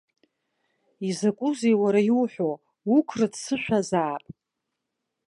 Изакәызеи, уара, иуҳәо, уқәрыццышәаазаап!